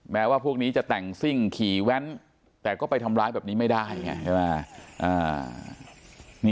แม้ว่าพวกนี้จะแต่งซิ่งขี่แว้นแต่ก็ไปทำร้ายแบบนี้ไม่ได้ไงใช่ไหม